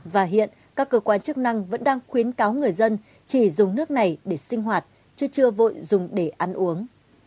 và hiện các cơ quan chức năng vẫn đang khuyến cáo người dân chỉ dùng nước này để sinh hoạt chứ chưa vội dùng để ăn uống